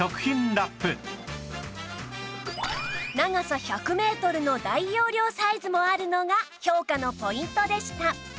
長さ１００メートルの大容量サイズもあるのが評価のポイントでした